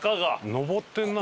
上ってるな。